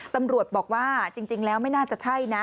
ตำรวจบอกว่าจริงแล้วไม่น่าจะใช่นะ